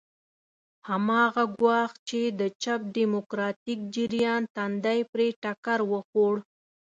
هماغه ګواښ چې د چپ ډیموکراتیک جریان تندی پرې ټکر وخوړ.